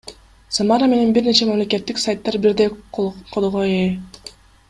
Самара менен бир нече мамлекеттик сайттар бирдей кодго ээ.